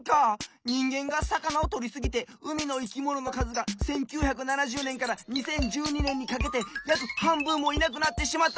にんげんがさかなをとりすぎて海のいきもののかずが１９７０ねんから２０１２ねんにかけてやくはんぶんもいなくなってしまったって！